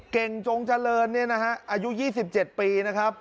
เก่งจงเจริญอายุ๒๗ปี